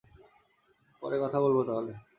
পরে কথা বলব তাহলে।